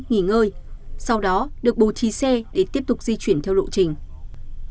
nghỉ ngơi sau đó được bố trí xe để tiếp tục di chuyển theo lộ trình